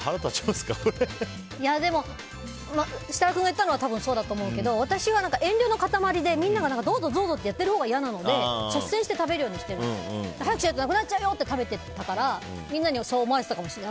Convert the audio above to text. でも、設楽君が言ったのは多分そうだと思うけど私は遠慮の塊でみんながどうぞどうぞって言ってるほうが嫌なので率先して食べるようにしてるんですよ。早くしないとなくなっちゃうよって食べてたからみんなにそう思われてたかもしれない。